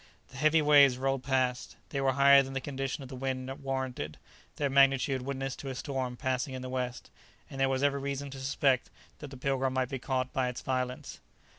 The heavy waves rolled past; they were higher than the condition of the wind warranted; their magnitude witnessed to a storm passing in the west, and there was every reason to suspect that the "Pilgrim" might be caught by its violence.